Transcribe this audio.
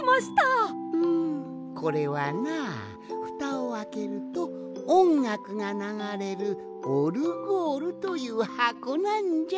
んこれはなふたをあけるとおんがくがながれるオルゴールというはこなんじゃ。